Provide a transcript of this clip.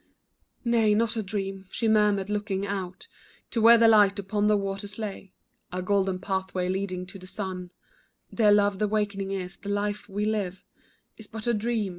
"Nay, not a dream," she murmured, looking out To where the light upon the waters lay, A golden pathway leading to the sun, "Dear love the wakening is, this life we live Is but a dream."